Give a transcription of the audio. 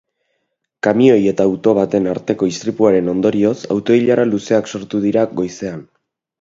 Kamioi eta auto baten arteko istripuaren ondorioz auto-ilara luzeak sortu dira goizean.